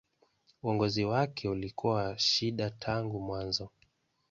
Uongozi wake ulikuwa wa shida tangu mwanzo.